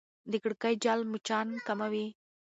د کړکۍ جال مچان کموي.